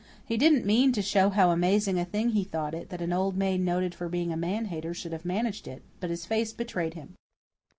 He didn't mean to show how amazing a thing he thought it that an old maid noted for being a man hater should have managed it, but his face betrayed him.